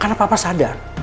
karena papa sadar